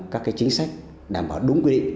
các chính sách đảm bảo đúng quy định